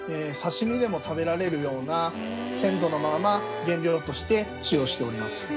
刺し身でも食べられるような鮮度のまま原料として使用しております。